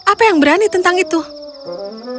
apa yang kau berani untuk melakukannya